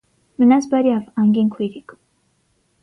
Մնաս բարյավ, անգին քույրիկ: